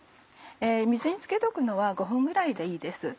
水に漬けとくのは５分ぐらいでいいです。